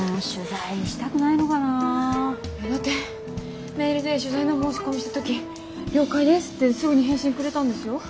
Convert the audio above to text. だってメールで取材の申し込みした時了解ですってすぐに返信くれたんですよ。